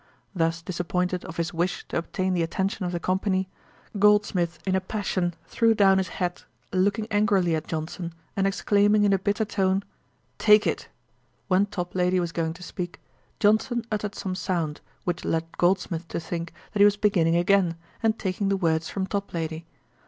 Thus disappointed of his wish to obtain the attention of the company, Goldsmith in a passion threw down his hat, looking angrily at Johnson, and exclaiming in a bitter tone, 'Take it.' When Toplady was going to speak, Johnson uttered some sound, which led Goldsmith to think that he was beginning again, and taking the words from Toplady.